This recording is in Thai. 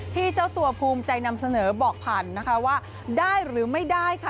เจ้าตัวภูมิใจนำเสนอบอกผ่านนะคะว่าได้หรือไม่ได้ค่ะ